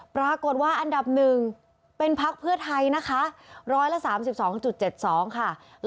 ปรากฏว่าอันดับ๑เป็นพักเพื่อไทยนะคะ๑๓๒๗๒ค่ะ